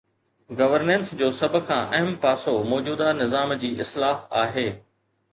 Governance جو سڀ کان اهم پاسو موجوده نظام جي اصلاح آهي.